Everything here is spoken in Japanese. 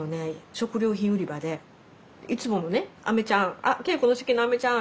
食料品売り場でいつものねあめちゃん「あっ圭永子の好きなあめちゃん